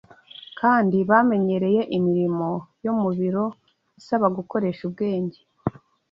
kandi bamenyereye imirimo yo mu biro isaba gukoresha ubwenge.